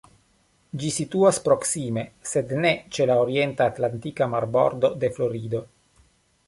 Ĝi situas proksime, sed ne ĉe la orienta atlantika marbordo de Florido.